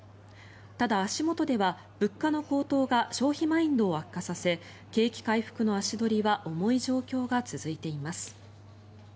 ただ、足元では物価の高騰が消費マインドを悪化させ景気回復の足取りは重い状況が続いています。